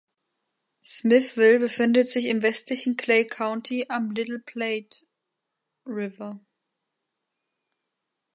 Smithville befindet sich im westlichen Clay County am Little Platte River.